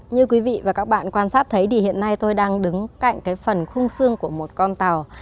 như quý vị và các bạn quan sát thấy thì hiện nay tôi đang đứng cạnh cái phần khung xương của một con tàu